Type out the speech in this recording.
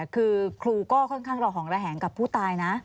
คือครูก็ค่อนข้างระห่องระแหงกับผู้ตายนะ